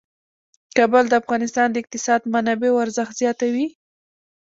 کابل د افغانستان د اقتصادي منابعو ارزښت زیاتوي.